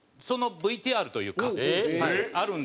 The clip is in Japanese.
そのＶＴＲというかあるんで。